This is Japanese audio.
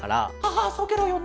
ああそうケロよね。